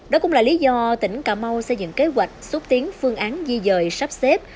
đó cũng là lý do tỉnh cà mau xây dựng kế hoạch xuất tiến phương án di dời sắp xếp